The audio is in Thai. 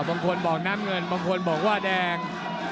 บางคนบอกน้ำเงินบางคนบอกว่าแดง